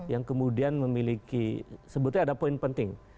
yang kemudian memiliki sebetulnya ada poin penting